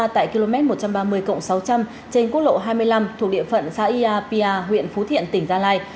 tại km một trăm ba mươi sáu trăm linh trên quốc lộ hai mươi năm thuộc địa phận saia pia huyện phú thiện tỉnh gia lai